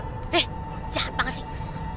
eh jahat banget sih